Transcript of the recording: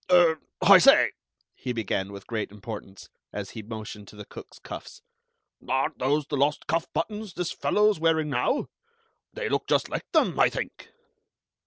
"Er, Hi say," he began, with great importance, as he motioned to the cook's cuffs, "aren't those the lost cuff buttons this fellow is wearing now? They look just like them, Hi think."